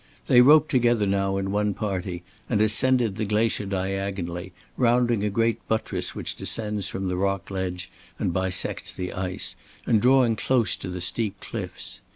They roped together now in one party and ascended the glacier diagonally, rounding a great buttress which descends from the rock ledge and bisects the ice, and drawing close to the steep cliffs.